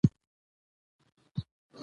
وخت ډېر ژر تېرېږي او بېرته نه راګرځي